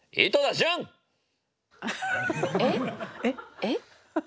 えっ？